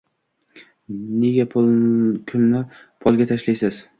Nega kulni polga tashlaysiz?